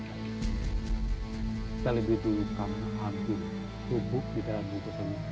saya lebih dulu kamu ambil serpuk di dalam bungkusan